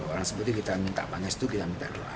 orang sepuh itu kita minta pangestu kita minta doa